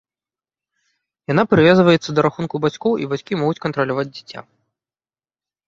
Яна прывязваецца да рахунку бацькоў, і бацькі могуць кантраляваць дзіця.